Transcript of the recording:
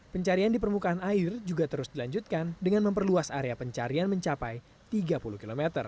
pencarian di permukaan air juga terus dilanjutkan dengan memperluas area pencarian mencapai tiga puluh km